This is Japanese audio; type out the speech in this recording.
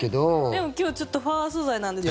でも、今日ちょっとファー素材なんで。